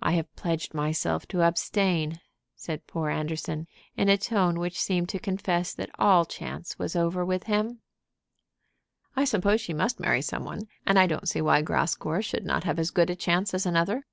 "I have pledged myself to abstain," said poor Anderson, in a tone which seemed to confess that all chance was over with him. "I suppose she must marry some one, and I don't see why Grascour should not have as good a chance as another."